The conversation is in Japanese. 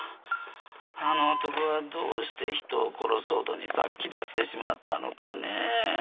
あの男はどうして人を殺すほどに殺気立ってしまったのかねえ。